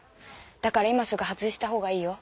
だから今すぐ外した方がいいよ。